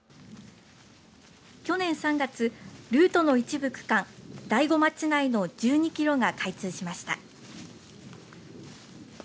去年３月、ルートの一部区間大子町内の１２ｋｍが開通しました。